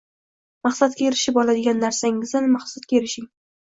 Maqsadga erishib oladigan narsangizdan maqsadga erishing